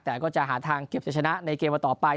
แต่ก็จะหาทางเก็บจะชนะในเกมวันต่อไป